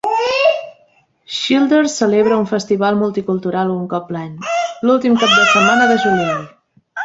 Childers celebra un festival multicultural un cop l'any, l'últim cap de setmana de juliol.